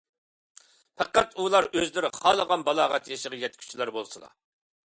پەقەت ئۇلار ئۆزلىرى خالىغان بالاغەت يېشىغا يەتكۈچىلەر بولسىلا.